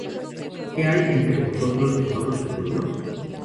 ¿Quién hay entre vosotros de todo su pueblo?